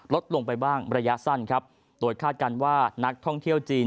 ลดลงไปบ้างระยะสั้นครับโดยคาดการณ์ว่านักท่องเที่ยวจีน